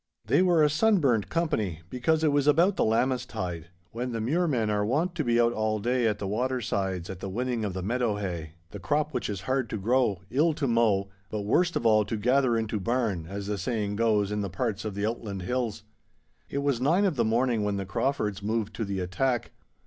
They were a sunburnt company, because it was about the Lammastide, when the muirmen are wont to be out all day at the watersides at the winning of the meadow hay—the crop which is hard to grow, ill to mow, but worst of all to gather into barn, as the saying goes in the parts of the outland hills. It was nine of the morning when the Craufords moved to the attack.